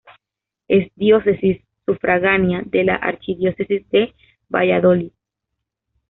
Es diócesis sufragánea de la archidiócesis de Valladolid.